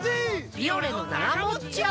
「ビオレ」のながもっち泡！